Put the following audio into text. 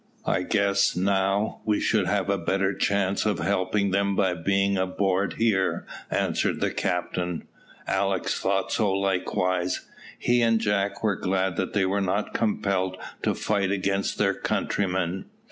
"I guess, now, we should have a better chance of helping them by being aboard here," answered the captain. Alick thought so likewise. He and Jack were glad that they were not compelled to fight against their countrymen.